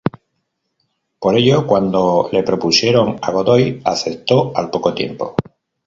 Por ello cuando le propusieron a Godoy aceptó al poco tiempo.